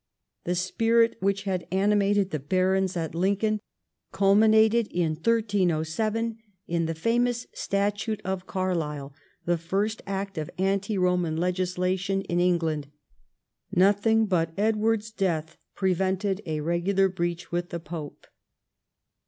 The spirit which had animated the bax'ons at Lincoln culminated in 1307 in the famous Statute of Carlisle, the first act of anti Eoman legislation in England. Nothing but Edward's death prevented a regular breach with the pope.